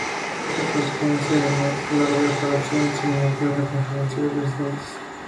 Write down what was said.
Le correspondía, además, la preparación y seguimiento de la Conferencia de Presidentes.